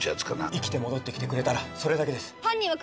生きて戻ってきてくれたら、それだけです。